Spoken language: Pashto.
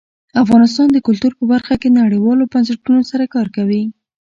افغانستان د کلتور په برخه کې نړیوالو بنسټونو سره کار کوي.